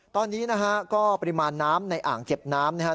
ตอนนี้นะฮะก็ปริมาณน้ำในอ่างเก็บน้ำนะครับ